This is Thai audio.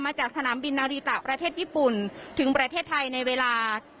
จากสนามบินนาริตะประเทศญี่ปุ่นถึงประเทศไทยในเวลา